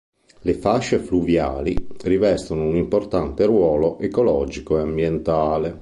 Le fasce fluviali rivestono un importante ruolo ecologico e ambientale.